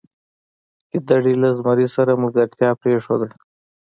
ګیدړې له زمري سره ملګرتیا پریښوده.